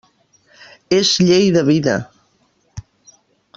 És llei de vida.